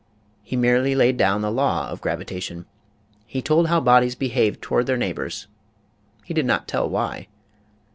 He merely laicl down the law of gravita tion. He told how bodies behaved toward their neigh bors; he did not tell why.